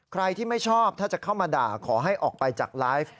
ใครที่ไม่ชอบถ้าจะเข้ามาด่าขอให้ออกไปจากไลฟ์